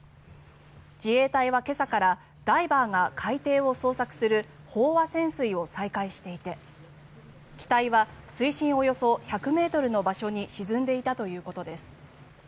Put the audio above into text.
自衛隊は今朝からダイバーが海底を捜索する飽和潜水を再開していて、機体は水深およそ１００ｍの場所に沈んでいたということです。